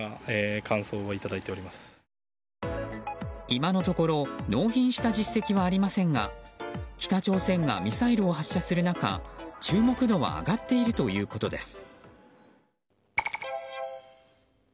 今のところ納品した実績はありませんが北朝鮮がミサイルを発射する中注目度は上がっているということです。